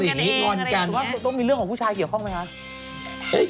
งอนกันว่าต้องมีเรื่องของผู้ชายเกี่ยวข้องไหมคะ